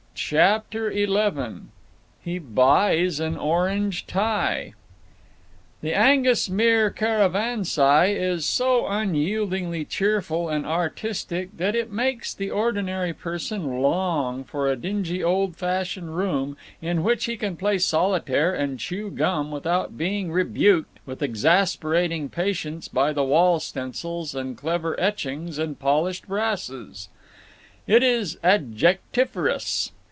CHAPTER XI HE BUYS AN ORANGE TIE The Aengusmere Caravanserai is so unyieldingly cheerful and artistic that it makes the ordinary person long for a dingy old fashioned room in which he can play solitaire and chew gum without being rebuked with exasperating patience by the wall stencils and clever etchings and polished brasses. It is adjectiferous.